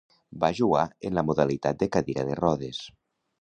Va jugar en la modalitat de cadira de rodes.